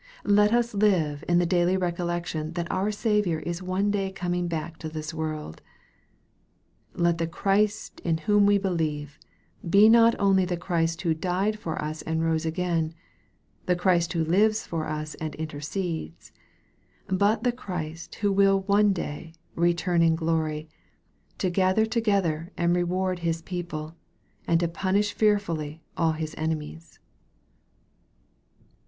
Let us live in the daily recollection that our Saviour is one day coming back to this world. Let the Christ in whom we believe, be not only the Christ who died for us and rose again the Christ who lives for us and intercedes but the Christ who will one day return in glory, to gather together and reward His people, and to punish fearfully all His enemies.